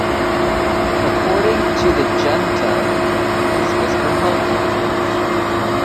According to the junta this was for health reasons.